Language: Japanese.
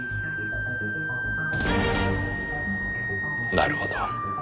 なるほど。